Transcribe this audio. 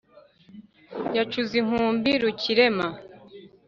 yacuze inkumbi rukirema,